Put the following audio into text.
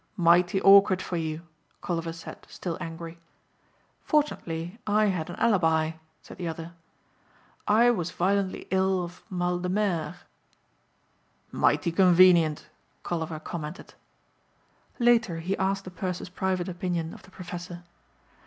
"Mighty awkward for you," Colliver said, still angry. "Fortunately I had an alibi," said the other, "I was violently ill of mal de mer." "Mighty convenient," Colliver commented. Later he asked the purser's private opinion of the professor.